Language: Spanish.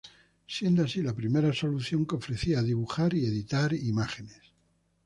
Siendo así la primera solución que ofrecía dibujar y editar imágenes.